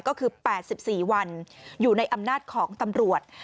ก็คือ๘๔วันอยู่ในอำนาจของตำรวจ